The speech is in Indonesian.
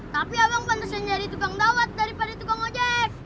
tapi abang pantas menjadi tukang dawet daripada tukang ojek